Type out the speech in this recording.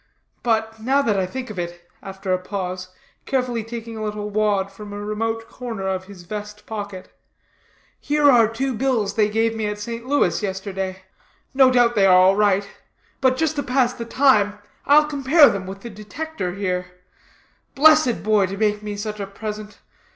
But, now that I think of it," after a pause, carefully taking a little wad from a remote corner of his vest pocket, "here are two bills they gave me at St. Louis, yesterday. No doubt they are all right; but just to pass time, I'll compare them with the Detector here. Blessed boy to make me such a present.